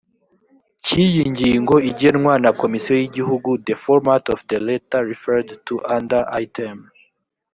k iyi ngingo igenwa na komisiyo y igihugu the format of the letter referred to under item